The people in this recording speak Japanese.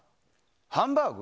ハンバーグ？